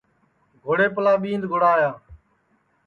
گھوڑیپلا ٻِیند گُڑایا